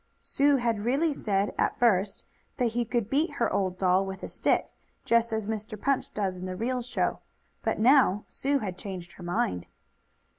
Sue had really said, at first, that he could beat her old doll with a stick, just as Mr. Punch does in the real show, but now Sue had changed her mind.